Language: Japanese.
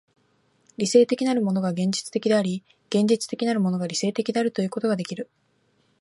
理性的なるものが現実的であり、現実的なるものが理性的であるということができる。